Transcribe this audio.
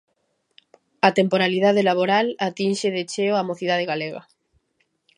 A temporalidade laboral atinxe de cheo a mocidade galega.